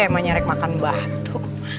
menyerek makan batu